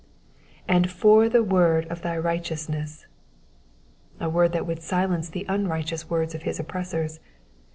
^^ And for the word of thy righteoitsness :^^ a word that would silence the unrighteous words of his oppressors.